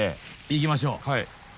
いきましょう。